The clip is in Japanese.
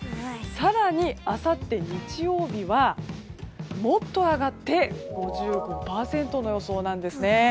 更に、あさって日曜日はもっと上がって５５％の予想なんですね。